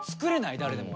誰でも。